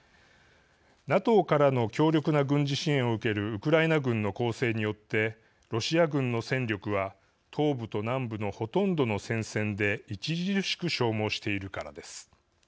ＮＡＴＯからの強力な軍事支援を受けるウクライナ軍の攻勢によってロシア軍の戦力は東部と南部のほとんどの戦線で著しく消耗しているからです。